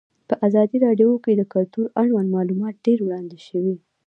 په ازادي راډیو کې د کلتور اړوند معلومات ډېر وړاندې شوي.